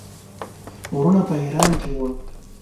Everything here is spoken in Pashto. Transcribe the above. وروڼه په ایران کې وه.